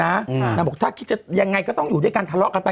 นางบอกถ้าคิดจะยังไงก็ต้องอยู่ด้วยกันทะเลาะกันไป